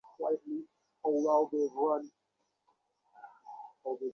এইরূপে কত দিন যায়, স্বরূপের এলাহাবাদে যাইবার সময় হইয়াছে।